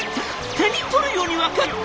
手に取るように分かる！」。